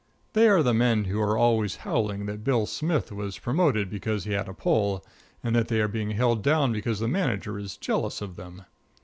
They are the men who are always howling that Bill Smith was promoted because he had a pull, and that they are being held down because the manager is jealous of them.